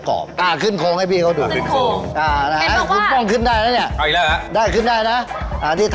ถ้าเครือหนาไป